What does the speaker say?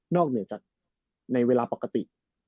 นอกจากในเวลาปกติ